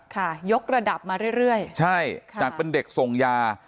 ยกระดับมาเรื่อยใช่จากเป็นเด็กส่งยา